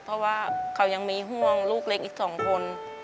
เพราะว่าเขายังมีห่วงลูกเล็กอีกสองคน